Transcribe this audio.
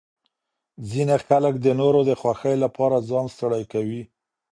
ځینې خلک د نورو د خوښۍ لپاره ځان ستړی کوي.